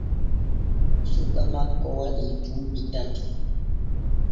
Suka makko waɗii duuɓi tati.